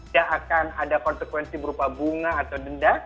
tidak akan ada konsekuensi berupa bunga atau denda